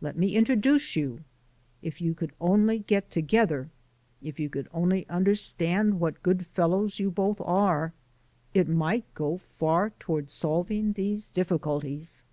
Let me introduce you. If you could only get together, if you could only understand what good fellows you both are, it might go far toward solving these difficulties."